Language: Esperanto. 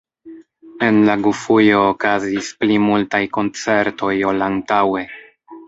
En la gufujo okazis pli multaj koncertoj ol antaŭe.